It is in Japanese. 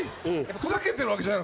ふざけてるわけじゃない？